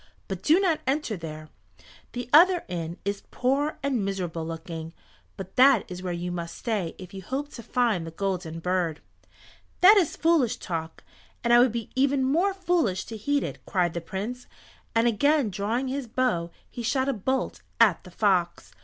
But do not enter there. The other inn is poor and miserable looking, but that is where you must stay if you hope to find the Golden Bird." "That is foolish talk, and I would be even more foolish to heed it," cried the Prince, and again drawing his bow he shot a bolt at the fox.